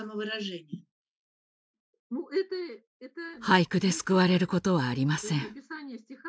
俳句で救われることはありません。